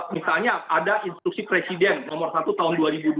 misalnya ada instruksi presiden nomor satu tahun dua ribu dua puluh